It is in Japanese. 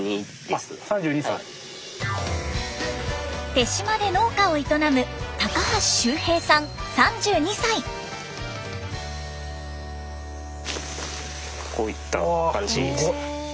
手島で農家を営むこういった感じですね。